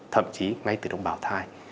thậm chí ngay từ đồng bào thai